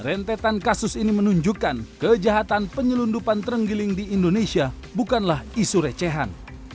rentetan kasus ini menunjukkan kejahatan penyelundupan terenggiling di indonesia bukanlah isu recehan